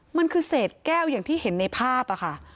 มันคือเศษแก้วอย่างที่เห็นในภาพค่ะ